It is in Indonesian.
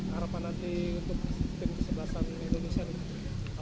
harapan nanti untuk tim kesebelasan indonesia nih